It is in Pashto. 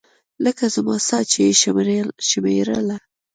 لکه زما ساه چې يې شمېرله.